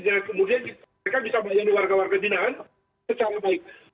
dan kemudian mereka bisa bayangin warga warga pembinaan secara baik